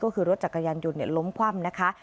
ก็คือรถจักรยานยนต์ล้มคว่ำนะคะ